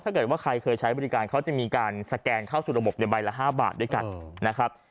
ถ้าเกิดว่าใครเคยใช้บริการเขาจะมีการสแกนเข้าสู่ระบบในใบละ๕บาทด้วยกันนะครับ